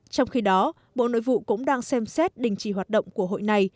trong khi đó bộ nội vụ cũng đang xem xét đình chỉ hoạt động của hội này